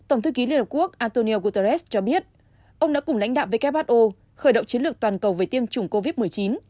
ông guterres cho biết ông đã cùng lãnh đạm who khởi động chiến lược toàn cầu về tiêm chủng covid một mươi chín